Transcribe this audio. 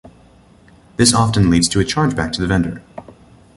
This often leads to a chargeback to the vendor.